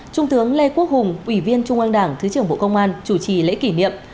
trung tướng lê quốc hùng ủy viên trung an đảng thứ trưởng bộ công an chủ trì lễ kỷ niệm